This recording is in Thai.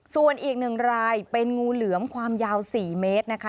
ส่วนอีก๑รายเป็นงูเหลือมความยาว๔เมตรนะคะ